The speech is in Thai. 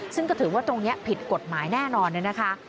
ซึ่งก็ถือว่าตรงนี้ผิดกฎหมายแน่นอนเลยนะคะ